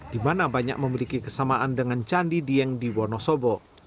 di mana banyak memiliki kesamaan dengan candi dieng di wonosobo